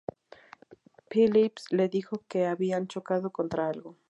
Phillips le dijo que habían chocado contra algo.